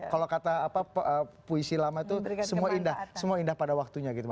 kalau kata puisi lama itu semua indah pada waktunya